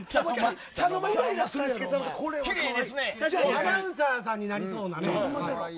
アナウンサーさんになりそうな。